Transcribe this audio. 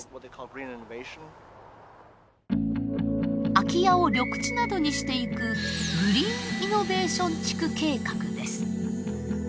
空き家を緑地などにしていくグリーンイノベーション地区計画です。